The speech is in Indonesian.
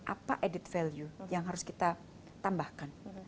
apa added value yang harus kita tambahkan